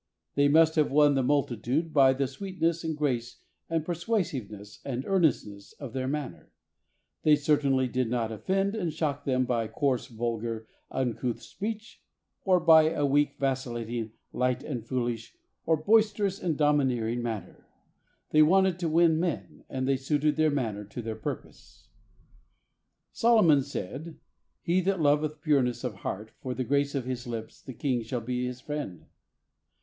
They must have won the multitude by the sweetness and grace and persuasiveness and earnestness of their man ner. They certainly did not offend and shock them by coarse, vulgar, uncouth speech, or by a weak and vacillating, light 156 THE soul winner's secret. and foolish, or boisterous and domineering manner. They wanted to win men, and they suited their manner to their purpose. Solomon said, "He that loveth pureness of heart, for the grace of his lips the king shall be his friend."